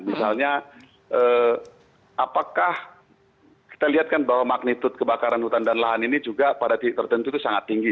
misalnya apakah kita lihat kan bahwa magnitud kebakaran hutan dan lahan ini juga pada titik tertentu itu sangat tinggi